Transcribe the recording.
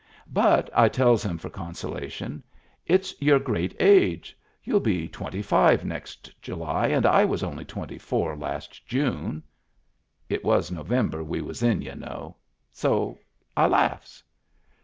" But," I tells him for consolation, " it's your great age. You'll be twenty five next July and I was only twenty four last June," It was November we was in, y'u know. So I laughs.